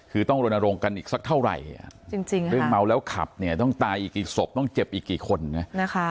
คือต้องรณรงค์กันอีกสักเท่าไหร่เรื่องเมาแล้วขับเนี่ยต้องตายอีกกี่ศพต้องเจ็บอีกกี่คนนะ